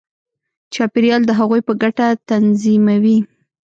چاپېریال د هغوی په ګټه تنظیموي.